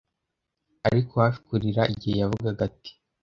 Ariko hafi kurira igihe yavugaga ati,